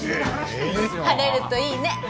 晴れるといいね